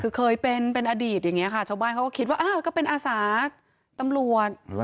คือเคยเป็นเป็นอดีตอย่างนี้ค่ะชาวบ้านเขาก็คิดว่าอ้าวก็เป็นอาสาตำรวจ